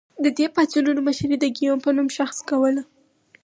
د دې پاڅونونو مشري د ګیوم په نوم شخص کوله.